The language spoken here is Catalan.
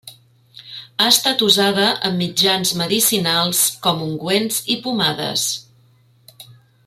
Ha estat usada amb mitjans medicinals com ungüents i pomades.